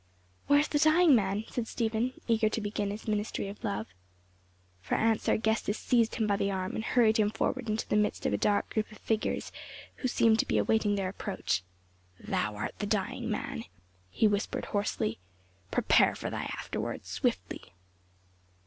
"Where is the dying man?" said Stephen, eager to begin his ministry of love. For answer, Gestas seized him by the arm and hurried him forward into the midst of a dark group of figures which seemed to be awaiting their approach. "Thou art the dying man!" he whispered hoarsely. "Prepare for thy afterwards swiftly."